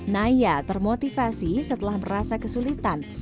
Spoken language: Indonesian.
naya termotivasi setelah merasa kesulitan